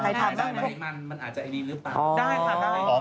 มันอาจจะไอดีหรือเปล่า